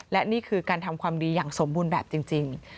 และนี่คือการทำความดีอย่างสมบูรณ์แบบจริง